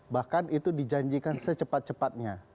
bahkan itu dijanjikan secepat cepatnya